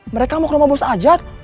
mereka mau ke rumah bos ajat